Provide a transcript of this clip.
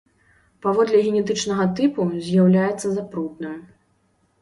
Паводле генетычнага тыпу з'яўляецца запрудным.